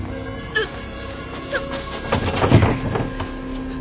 うっ。